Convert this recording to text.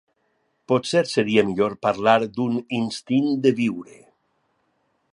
Potser seria millor parlar d’un ‘instint’ de viure.